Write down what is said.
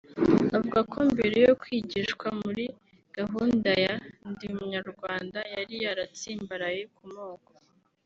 Avuga ko mbere yo kwigishwa muri gahunda ya “ndi umunyarwanda” yari yaratsimbaraye ku moko